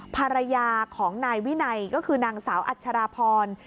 ภรรยาของนายวินัยก็คือนางสาวอัชราพร